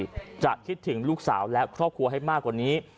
ก่อเหตุคิดสั้นอีกจะคิดถึงลูกสาวและครอบครัวให้มากกว่านี้